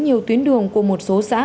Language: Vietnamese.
nhiều tuyến đường của một số xã